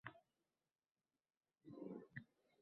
va bu davrlar orasida farqlarni kuzatishga urinyapman.